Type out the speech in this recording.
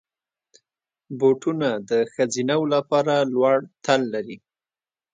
بوټونه د ښځینه وو لپاره لوړ تل لري.